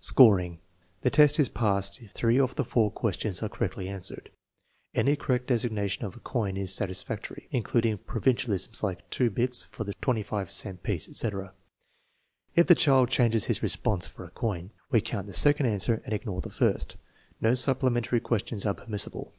Scoring The test is passed if three of the four questions are correctly answered. Any correct designation of a coin is satisfactory, including provincialisms like " two bits " for the 25 cent piece, etc. If the child changes his response for a coin, we count the second answer and ignore the first. No supplementary questions are permissible.